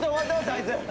あいつ。